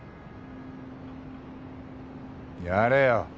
やれよ！